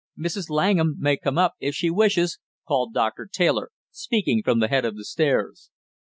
"Mrs. Langham may come up if she wishes!" called Doctor Taylor, speaking from the head of the stairs.